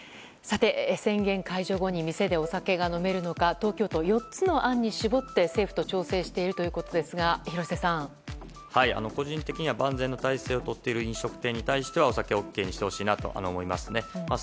宣言解除後に店でお酒が飲めるのか東京都４つの案に絞って政府と調整しているということですが個人的には万全の態勢をとっている飲食店に対してはお酒をＯＫにしてほしいなと思います。